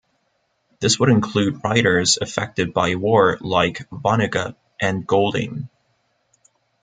This would include writers affected by war like Vonnegut and Golding.